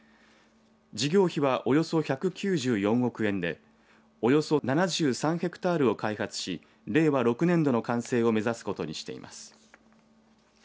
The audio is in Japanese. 事業費は、およそ１９４億円でおよそ７３ヘクタールを開発し令和６年度の完成を目指すことにしています。